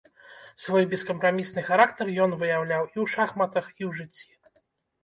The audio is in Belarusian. Свой бескампрамісны характар ён выяўляў і ў шахматах, і ў жыцці.